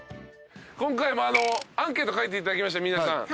今回もアンケート書いていただきました皆さん。